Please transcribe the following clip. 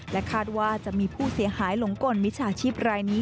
คาดว่าจะมีผู้เสียหายหลงกลมิจฉาชีพรายนี้